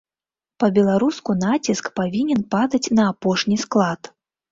Па-беларуску націск павінен падаць на апошні склад.